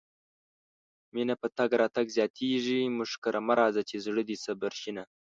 مينه په تګ راتګ زياتيږي مونږ کره مه راځه چې زړه دې صبر شينه